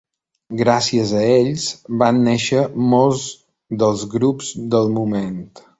Gracies a ells van néixer molts dels grups del moment.